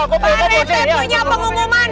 pak rete punya pengumuman